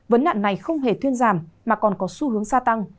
vấn nạn này không hề thuyên giảm mà còn có xu hướng gia tăng